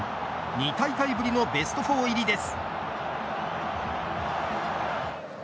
２大会ぶりのベスト４入りです。